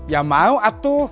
ya mau atuh